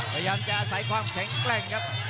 พยายามจะอาศัยความแข็งแกร่งครับ